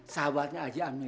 sahabatnya aja amir